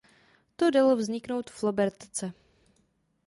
To dalo vzniknout flobertce.